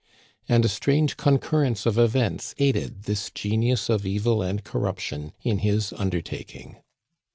And a strange concurrence of events aided this genius of evil and corruption in his undertaking.